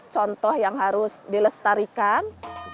contoh yang harus dilestarikan